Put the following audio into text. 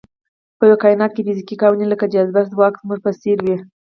په یوه کاینات کې فزیکي قوانین لکه د جاذبې ځواک زموږ په څېر وي.